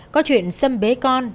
có chuyện sâm bế con